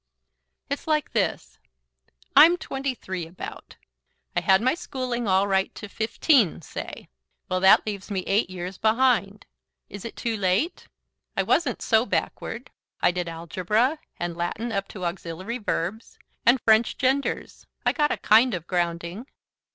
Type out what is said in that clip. "It's like this. I'm twenty three, about. I had my schooling all right to fifteen, say. Well, that leaves me eight years behind. Is it too late? I wasn't so backward. I did algebra, and Latin up to auxiliary verbs, and French genders. I got a kind of grounding."